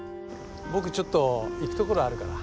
僕ちょっと行くところあるから。